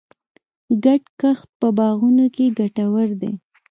ګډ کښت په باغونو کې ګټور دی.